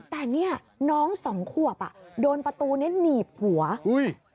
แต่เนี่ยน้องสองขวบอ่ะโดนประตูนี้หนีบหัวอุ้ย